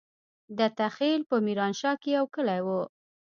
دته خېل په ميرانشاه کې يو کلی وو.